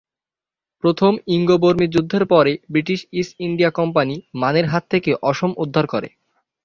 প্রথম ইঙ্গ-বর্মী যুদ্ধের পরে ব্রিটিশ ইস্ট ইন্ডিয়া কোম্পানি মানের হাত থেকে অসম উদ্ধার করে।